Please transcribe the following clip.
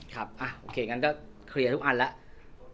โอเคงั้นก็เคลียร์ทุกอันแล้ว